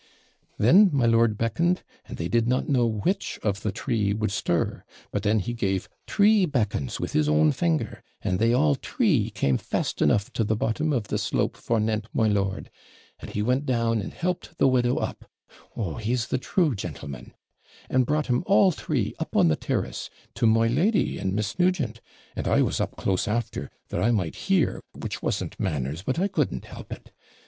Then my lord beckoned, and they did not know which of the TREE would stir; and then he gave TREE beckons with his own finger, and they all TREE came fast enough to the bottom of the slope forenent my lord; and he went down and helped the widow up (Oh, he's the true jantleman), and brought 'em all TREE up on the TIRrass, to my lady and Miss Nugent; and I was up close after, that I might hear, which wasn't manners, but I couldn't help it.